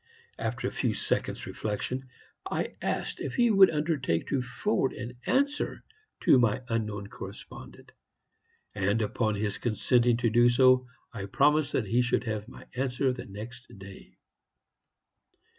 After a few seconds' reflection I asked if he would undertake to forward an answer to my unknown correspondent; and, on his consenting to do so, I promised that he should have my answer the next day.